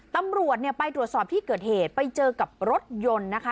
ตำรวจเนี่ยไปตรวจสอบที่เกิดเหตุไปเจอกับรถยนต์นะคะ